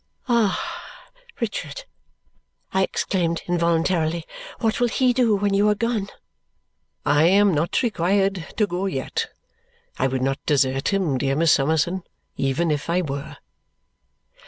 "Ah! Richard!" I exclaimed involuntarily, "What will he do when you are gone!" "I am not required to go yet; I would not desert him, dear Miss Summerson, even if I were."